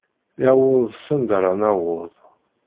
Iwweḍ s anda ara naweḍ.